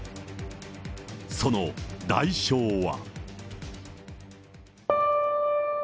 その代償は。